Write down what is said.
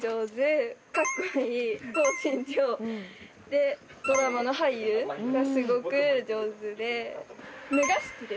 でドラマの俳優がすごく上手で。